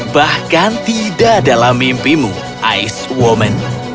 bahkan tidak dalam mimpimu ice woman